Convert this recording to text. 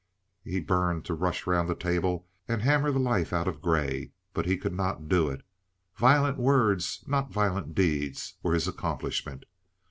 He burned to rush round the table and hammer the life out of Grey, but he could not do it; violent words, not violent deeds, were his accomplishment.